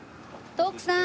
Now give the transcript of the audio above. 徳さん！